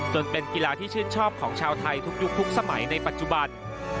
เป็นกีฬาที่ชื่นชอบของชาวไทยทุกยุคทุกสมัยในปัจจุบัน